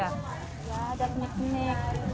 ya ada penik penik